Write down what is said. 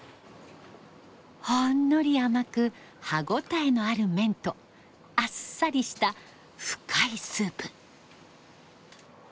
ほんのり甘く歯応えのある麺とあっさりした深いスープ。